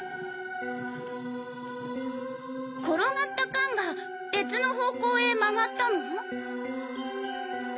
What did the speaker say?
転がった缶が別の方向へ曲がったの？